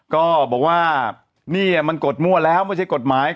ก็บอกว่านี่มันกดมั่วแล้วไม่ใช่กฎหมาย